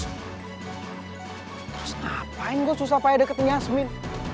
terus ngapain gue susah payah deketin yasmin